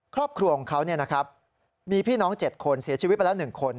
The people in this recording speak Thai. ครอบครัวของเขามีพี่น้อง๗คนเสียชีวิตไปแล้ว๑คน